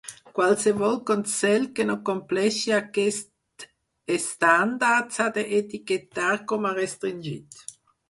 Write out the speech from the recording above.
Qualsevol consell que no compleixi aquest estàndard s'ha d'etiquetar com a restringit.